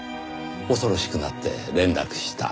恐ろしくなって連絡した。